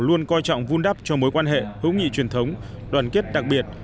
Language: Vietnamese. luôn coi trọng vun đắp cho mối quan hệ hữu nghị truyền thống đoàn kết đặc biệt